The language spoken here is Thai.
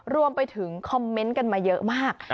รวมไปถึงคอมเมนต์กันมาเยอะมาก